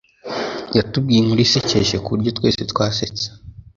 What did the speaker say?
Yatubwiye inkuru isekeje kuburyo twese twasetse.